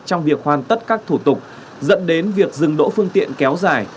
trong việc hoàn tất các thủ tục dẫn đến việc dừng đỗ phương tiện kéo dài